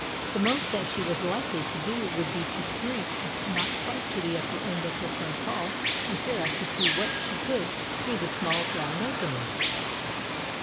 The most that she was likely to do would be to creep not quite to the upper end of her front hall and peer out to see what she could through the small round opening.